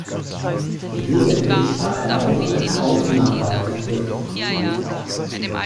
Gelegentlich war er auch als Aufnahmeleiter tätig.